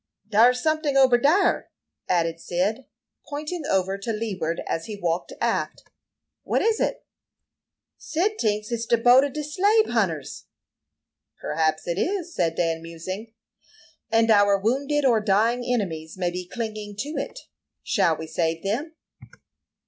"Dar's someting ober dar," added Cyd, pointing over to leeward, as he walked aft. "What is it?" "Cyd tinks it's de boat ob de slabe hunters." "Perhaps it is," said Dan, musing. "And our wounded or dying enemies may be clinging to it. Shall we save them?"